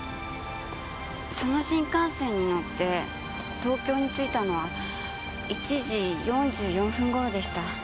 その新幹線に乗って東京に着いたのは１時４４分頃でした。